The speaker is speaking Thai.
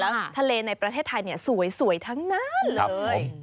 แล้วทะเลในประเทศไทยสวยทั้งนั้นเลย